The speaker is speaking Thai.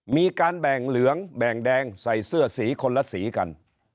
มีการแบ่งเหลืองแบ่งแดงใส่เสื้อสีคนละสีกัน